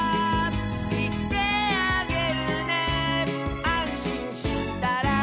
「いってあげるね」「あんしんしたら」